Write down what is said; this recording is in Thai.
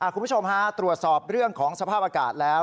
คุณผู้ชมฮะตรวจสอบเรื่องของสภาพอากาศแล้ว